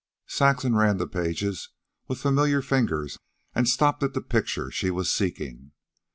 Saxon ran the pages with familiar fingers and stopped at the picture she was seeking.